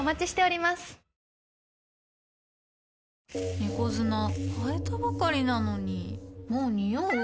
猫砂替えたばかりなのにもうニオう？